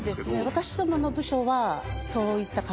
私どもの部署はそういった感じですね。